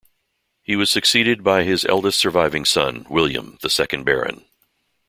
He was succeeded by his eldest surviving son, William, the second Baron.